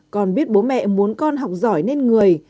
còn biết bố mẹ muốn con học giỏi nên người